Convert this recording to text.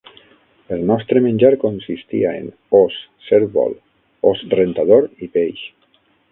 El nostre menjar consistia en ós, cérvol, ós rentador i peix.